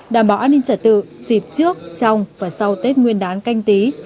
đảm bảo an ninh trả tự dịp trước trong và sau tết nguyên đán canh tí hai nghìn hai mươi